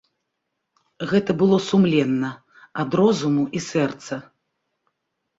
Гэта было сумленна, ад розуму і сэрца.